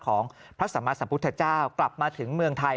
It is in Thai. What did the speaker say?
ของพระสัมมาสัมพุทธเจ้ากลับมาถึงเมืองไทย